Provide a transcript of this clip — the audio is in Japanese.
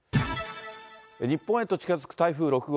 日本へと近づく台風６号。